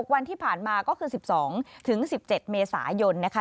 วันที่ผ่านมาก็คือ๑๒๑๗เมษายนนะคะ